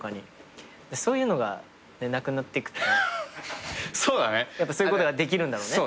そういうのがなくなってくとそういうことができるんだろうね。